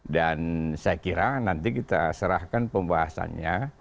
dan saya kira nanti kita serahkan pembahasannya